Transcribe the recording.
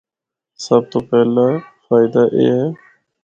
سب تو پہلا فائدہ اے ہے۔